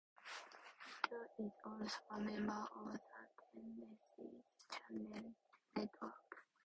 It is also a member of The Tennessee Channel Network.